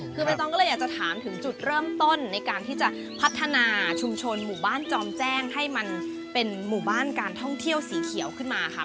คือใบตองก็เลยอยากจะถามถึงจุดเริ่มต้นในการที่จะพัฒนาชุมชนหมู่บ้านจอมแจ้งให้มันเป็นหมู่บ้านการท่องเที่ยวสีเขียวขึ้นมาค่ะ